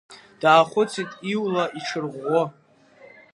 Даахәыцит иула, иҽырӷәӷәо.